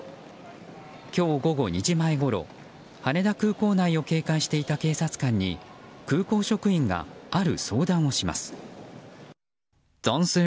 今日午後２時前ごろ羽田空港内を警戒していた警察官に、空港職員がある相談をします。